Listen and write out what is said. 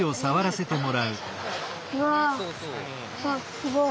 すごい。